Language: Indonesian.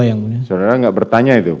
sebenarnya enggak bertanya itu